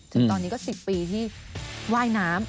ถึงตอนนี้ก็๑๐ปีที่ว่ายน้ำ